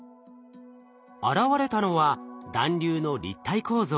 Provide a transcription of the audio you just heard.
現れたのは団粒の立体構造。